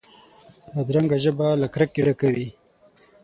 بدرنګه ژبه له کرکې ډکه وي